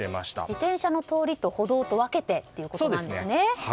自転車の通りと歩道を分けてということなんですね。